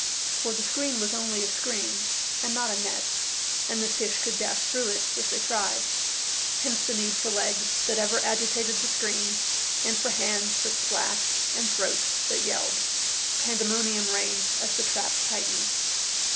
For the screen was only a screen, and not a net, and the fish could dash through it if they tried. Hence the need for legs that ever agitated the screen, and for hands that splashed and throats that yelled. Pandemonium reigned as the trap tightened.